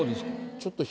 ちょっと何？